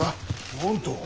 なんと。